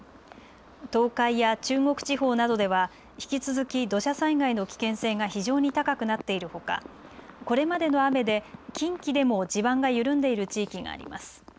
東海や中国地方などでは引き続き土砂災害の危険性が非常に高くなっているほかこれまでの雨で近畿でも地盤が緩んでいる地域があります。